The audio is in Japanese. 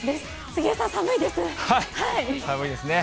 杉江さん、寒いですね。